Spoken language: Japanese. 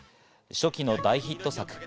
初期の大ヒット作